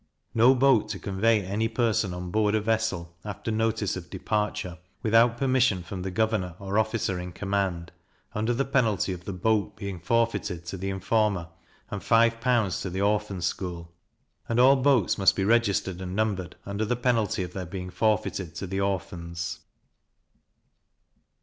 No boat to convey any person on board a vessel after notice of departure, without permission from the governor or officer in command, under the penalty of the boat being forfeited to the informer, and five pounds to the Orphan School. And all boats must be registered and numbered, under the penalty of their being forfeited to the Orphans.